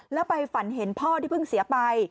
แล้วไปฝันเห็นพ่อที่เพิ่งเสียไป